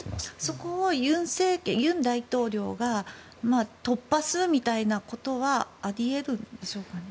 そこを尹大統領が突破するみたいなことはあり得るんでしょうかね？